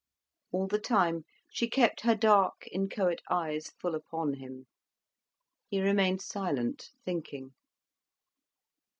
All the time she kept her dark, inchoate eyes full upon him. He remained silent, thinking.